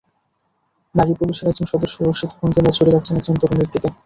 নারী পুলিশের একজন সদস্য রোষিত ভঙ্গিমায় ছুটে যাচ্ছেন একজন তরুণীর দিকে।